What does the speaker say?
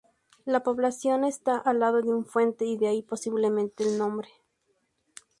La población está al lado de una fuente y de ahí posiblemente el nombre.